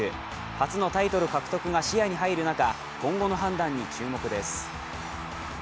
初のタイトル獲得が視野に入る中、今後の判断に注目です。